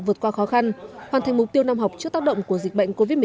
vượt qua khó khăn hoàn thành mục tiêu năm học trước tác động của dịch bệnh covid một mươi chín